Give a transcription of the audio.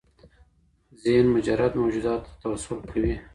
ذهن مجرد موجوداتو ته توسل کوي.